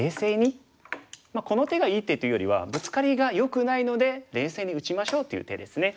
この手がいい手というよりはブツカリがよくないので冷静に打ちましょうという手ですね。